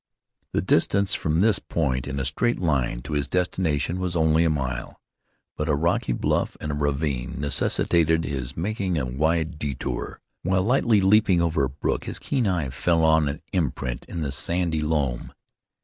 The distance from this point in a straight line to his destination was only a mile; but a rocky bluff and a ravine necessitated his making a wide detour. While lightly leaping over a brook his keen eye fell on an imprint in the sandy loam.